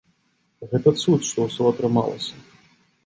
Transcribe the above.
Гэта цуд, што ўсё атрымалася.